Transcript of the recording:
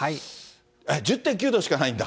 １０．９度しかないんだ。